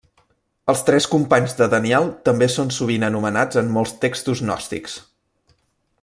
Els tres companys de Daniel també són sovint anomenats en molts textos gnòstics.